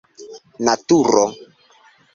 naturo